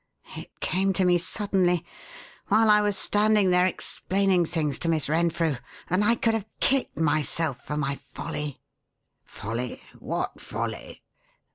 It came to me suddenly while I was standing there explaining things to Miss Renfrew and I could have kicked myself for my folly." "Folly? What folly?"